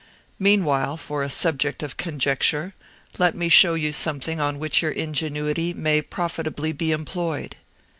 Meanwhile, for a subject of conjecture, let me show you something on which your ingenuity may profitably be employed."